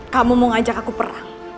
kamu mau ngajak aku perang